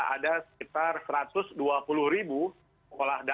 ada sekitar satu ratus dua puluh sekolah dasar sekolah rumah sekolah penduduk sekolah penduduk